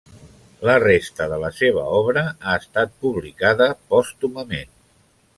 La resta de la seva obra ha estat publicada pòstumament.